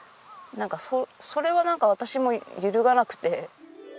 それはなんか私も揺るがなくて。